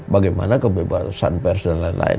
bagaimana kebebasan pers dan lain lain